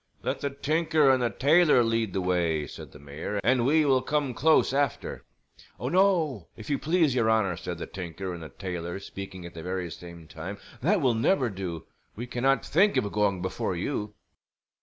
"Let the tinker and the tailor lead the way," said the mayor, "and we will come close after." "Oh, no, if you please, your honor," said the tinker and the tailor speaking at the very same time. "That will never do. We cannot think of going before you."